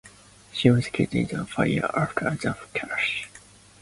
She was killed in the fire after the crash.